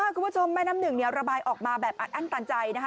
นั่นสิคุณผู้ชมแม่น้ำหนึ่งเนี่ยระบายออกมาแบบอันตันใจนะฮะ